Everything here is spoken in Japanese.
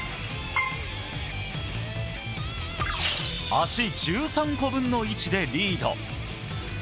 足１３個分の位置でリード。